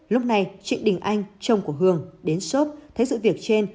lúc này chị đình anh chồng của hường đến shop thấy sự việc trên